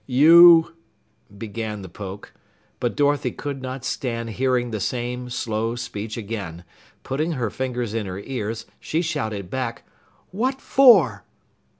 "You " began the Poke. But Dorothy could not stand hearing the same slow speech again. Putting her fingers in her ears, she shouted back: "What for?"